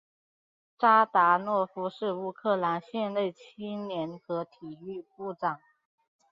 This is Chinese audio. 扎达诺夫是乌克兰现任青年和体育部长。